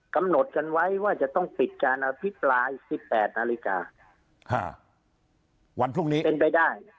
กำหนดกันไว้ว่าจะต้องปิดการอภิปรายสิบแปดนาฬิกาวันพรุ่งนี้เป็นไปได้